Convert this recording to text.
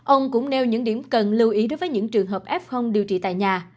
ông cũng nêu những điểm cần lưu ý đối với những trường hợp f điều trị tại nhà